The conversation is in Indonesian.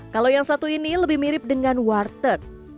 kalau yang satu ini lebih mirip dengan warteg